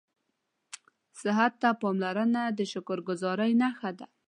صحت ته پاملرنه د شکرګذارۍ نښه ده